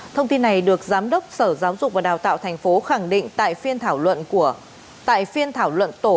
thông tin này được giám đốc sở giáo dục và đào tạo thành phố khẳng định tại phiên thảo luận tổ